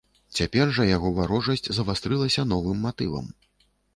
Цяпер жа яго варожасць завастрылася новым матывам.